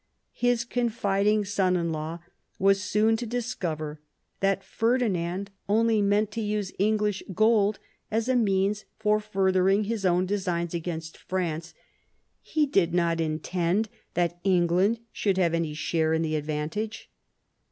His confiding son in law was soon to discover that Ferdinand only meant to use English gold as a ineans for furthering his own desi^s against France ; he did not intend that England should have any share in the advantage.